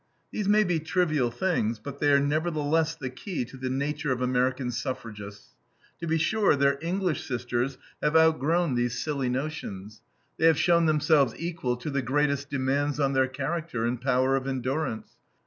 These may be trivial things, but they are nevertheless the key to the nature of American suffragists. To be sure, their English sisters have outgrown these silly notions. They have shown themselves equal to the greatest demands on their character and power of endurance.